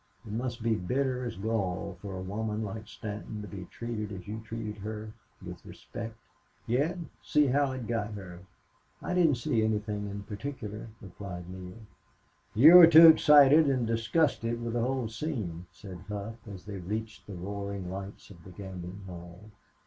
It must be bitter as gall for a woman like Stanton to be treated as you treated her with respect. Yet see how it got her." "I didn't see anything in particular," replied Neale. "You were too excited and disgusted with the whole scene," said Hough as they reached the roaring lights of the gambling hell.